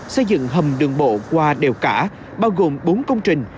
xây dựng hầm đường bộ qua đèo cả bao gồm bốn công trình